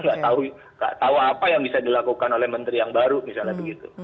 nggak tahu apa yang bisa dilakukan oleh menteri yang baru misalnya begitu